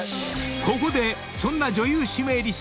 ［ここでそんな女優指名率